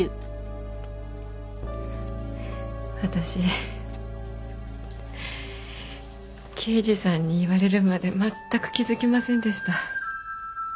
私刑事さんに言われるまで全く気づきませんでした。